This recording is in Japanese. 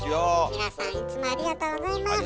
皆さんいつもありがとうございます。